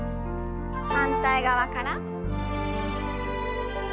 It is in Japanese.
反対側から。